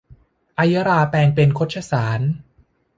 ไอยราแปลงเป็นคชสาร